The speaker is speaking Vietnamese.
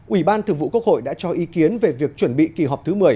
ủy ban thường vụ quốc hội đã cho ý kiến về việc chuẩn bị kỳ họp thứ một mươi